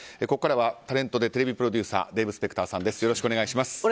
ここからはタレントでテレビプロデューサーのデーブ・スペクターさんです。